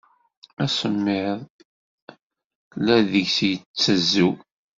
Asemmiḍ la deg-s yettazu.